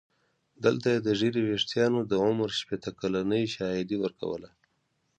دلته یې د ږیرې ویښتانو د عمر شپېته کلنۍ شاهدي ورکوله.